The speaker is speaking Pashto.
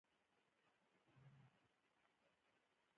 ایا د ځان قدر پیژنئ؟